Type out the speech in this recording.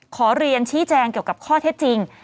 ขอเรียนชี้แจงเกี่ยวกับข้อเท็จจริง